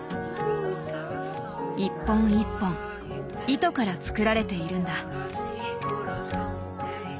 一本一本糸から作られているんだ。